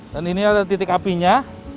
dan ini adalah titik apinya